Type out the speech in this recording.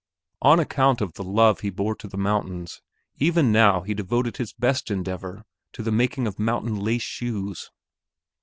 On account of the love he bore to the mountains, even now he devoted his best endeavor to the making of mountain lace shoes.